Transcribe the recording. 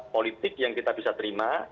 politik yang kita bisa terima